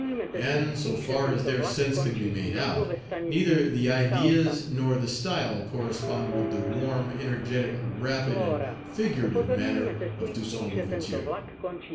And, so far as their sense can be made out, neither the ideas nor the style correspond with the warm, energetic, rapid, and figurative manner of Toussaint L'Ouverture.